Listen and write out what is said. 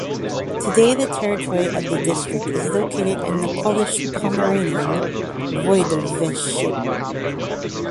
Today the territory of the district is located in the Polish Pomeranian Voivodeship.